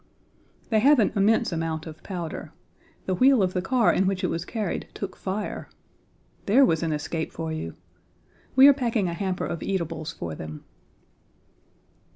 They have an immense amount of powder. The wheel of the car in which it was carried took fire. There was an escape for you! We are packing a hamper of eatables for them.